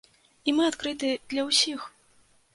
І мы адкрыты для ўсіх.